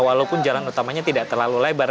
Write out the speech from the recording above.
walaupun jalan utamanya tidak terlalu lebar